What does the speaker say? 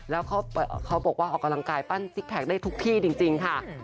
แล้วเขาบอกว่าออกกำลังกายปั้นซิกแพคได้ทุกที่จริงค่ะ